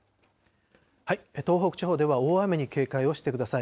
東北地方では大雨に警戒をしてください。